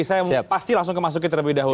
saya pasti langsung ke mas uki terlebih dahulu